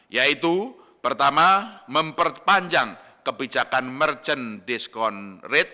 yaitu pertama memperpanjang kebijakan merchant diskon rate